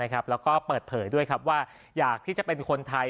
แล้วก็เปิดเผยด้วยว่าอยากที่จะเป็นคนไทย